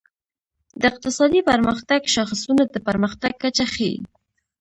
د اقتصادي پرمختګ شاخصونه د پرمختګ کچه ښيي.